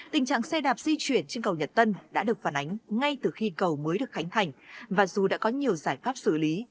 tình trạng xe đạp di chuyển trên cầu nhật tân đã được phản ánh ngay từ khi cầu mới được khánh thành và dù đã có nhiều giải pháp xử lý